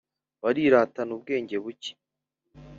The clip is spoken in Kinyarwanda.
Bariratana ubwenge buke.